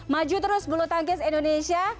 maju terus bulu tangkis indonesia